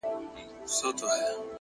پرمختګ د دوامداره هڅې محصول دی’